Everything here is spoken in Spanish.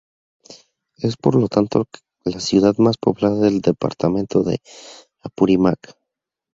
Es por lo tanto, la ciudad más poblada del departamento de Apurímac.